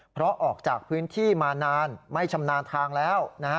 เพราะออกจากพื้นที่มานานไม่ชำนาญทางแล้ว